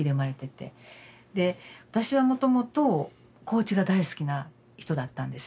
で私はもともと高知が大好きな人だったんですよ。